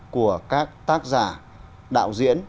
của các tác giả đạo diễn